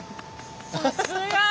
さすが！